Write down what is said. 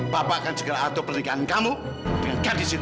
papa akan segera atur pernikahan kamu dengan kardis itu